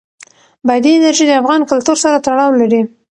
بادي انرژي د افغان کلتور سره تړاو لري.